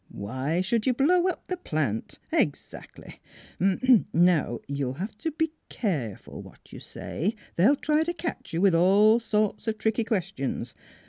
" Why should you blow up the plant? Ex actly! Hum er now you'll have to be careful what you say. They'll try to catch you with all sorts of tricky questions.